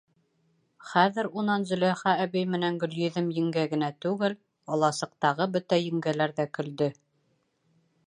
Хәҙер унан Зөләйха әбей менән Гөлйөҙөм еңгә генә түгел, аласыҡтағы бөтә еңгәләр ҙә көлдө.